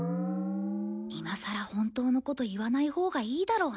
今さら本当のこと言わないほうがいいだろうね。